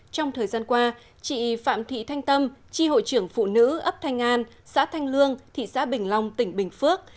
trong thời gian qua chị phạm thị thanh tâm tri hội trưởng phụ nữ ấp thanh an xã thanh lương thị xã bình long tỉnh bình phước